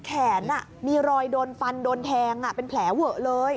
แขนมีรอยโดนฟันโดนแทงเป็นแผลเวอะเลย